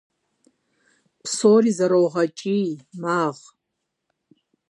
Псори зэрогъэкӀий, магъ.